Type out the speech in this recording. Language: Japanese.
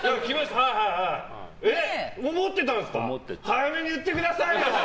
早めに言ってくださいよ